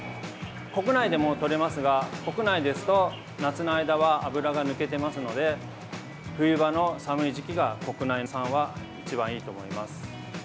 国内でもとれますが、国内ですと夏の間は脂が抜けてますので冬場の寒い時期が国内産は一番いいと思います。